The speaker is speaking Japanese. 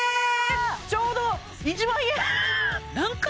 ちょうど１万円！